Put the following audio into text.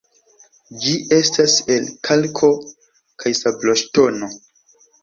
Ĝi estas el kalko- kaj sabloŝtono.